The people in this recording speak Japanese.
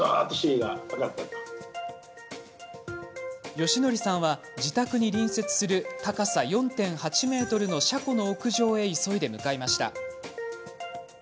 芳徳さんは、自宅に隣接する高さ４．８ｍの車庫の屋上へ急いで向かいました。